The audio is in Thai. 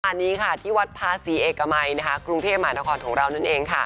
วันนี้ที่วัดภาษีเอกมัยกรุงเพศมหาธครของเรานั่นเอง